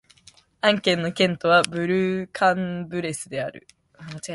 アン県の県都はブール＝カン＝ブレスである